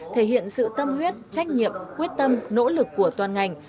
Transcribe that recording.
thể hiện sự tâm huyết trách nhiệm quyết tâm nỗ lực của toàn ngành